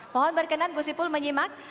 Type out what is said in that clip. mohon berkenan gus ipul menyimak